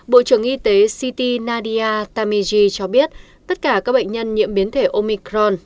bộ trưởng y tế city nadia tamiji cho biết tất cả các bệnh nhân nhiễm biến thể omicron